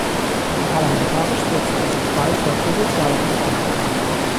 Parlamentarisch setzte sich Baltzer für soziale Reformen ein.